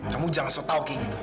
kamu jangan usah tahu kayak gitu